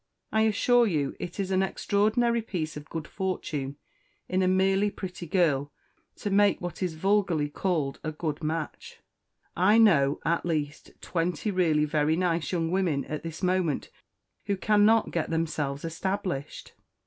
I assure you, it is an extraordinary piece of good fortune in a merely pretty girl to make what is vulgarly called a good match. I know, at least, twenty really very nice young women at this moment who cannot get themselves established."